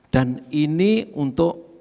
dan ini untuk